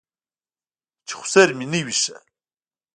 چې خسر مې نه وي ښه.